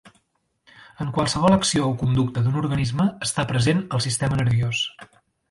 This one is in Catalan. En qualsevol acció o conducta d'un organisme està present el sistema nerviós.